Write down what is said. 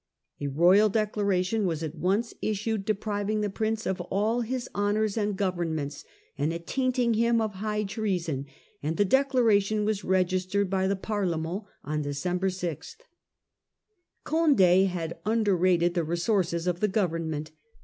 A royal declaration was at once issued depriving the Prince of all his honours and governments, and attainting him of high treason; and the declaration was registered by the Parlement on December 6. Condd had underrated the resources of the govern «„ ment.